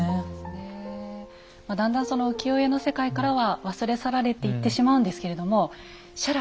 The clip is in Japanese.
だんだんその浮世絵の世界からは忘れ去られていってしまうんですけれども写楽